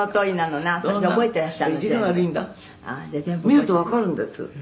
「見るとわかるんです」